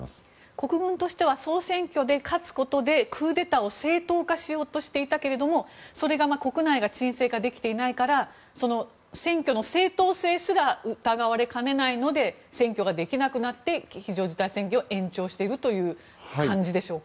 国軍としては総選挙で勝つことで、クーデターを正当化しようとしていたけれどもそれが国内が鎮静化できていないから選挙の正当性すら疑われかねないので選挙ができなくなって非常事態宣言を延長しているという感じでしょうか。